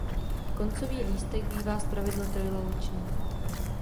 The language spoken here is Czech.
Koncový lístek bývá zpravidla trojlaločný.